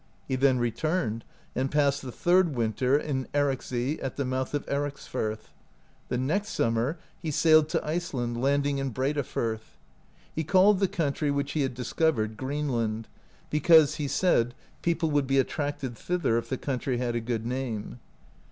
He then returned and passed the third winter in Ericsey at the mouth of Ericsfirth. The next summer he sailed to Iceland, landing in Breidafirth* He called the cotmtry, which he had discovered, Greenland, because, he said, people would be attracted thither if the country had a good name.